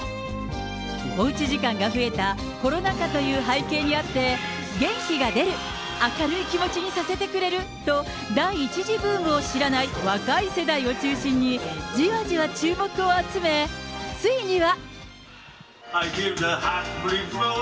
おうち時間が増えたコロナ禍という背景にあって、元気が出る、明るい気持ちにさせてくれると、第１次ブームを知らない若い世代を中心に、じわじわ注目を集め、ついには。